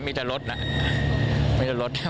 มีแต่รถน่ะมีแต่รถ